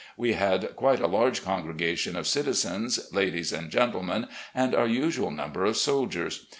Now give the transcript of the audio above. We had quite a large congregation of citizens, ladies and gentlemen, and our usual number of soldiers.